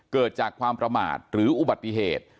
เกิดจากความประมาทหรืออุบัติเหตุ